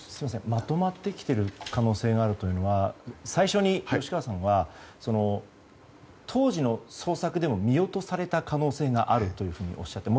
まとまってきている可能性があるというのは最初に吉川さんは当時の捜索で見落とされた可能性があるというふうにおっしゃって。